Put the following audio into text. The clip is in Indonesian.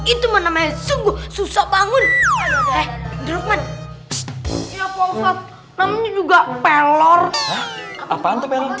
itu menemani sungguh susah bangun eh drukman ya pohon namanya juga pelor apaan tuh belom